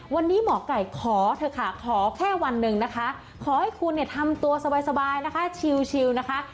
วันนี้หมอไก่ขอเถอะค่ะขอแค่วันหนึ่งนะคะขอให้คุณเนี่ยทำตัวสบายนะคะชิวนะคะ